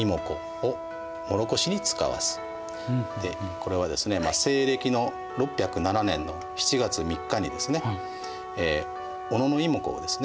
これはですね西暦の６０７年の７月３日にですね小野妹子をですね